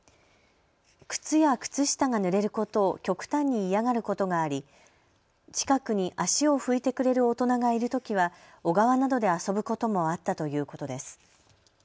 靴や靴下がぬれることを極端に嫌がることがあり近くに足を拭いてくれる大人がいるときは小川などで遊ぶこともあったということです。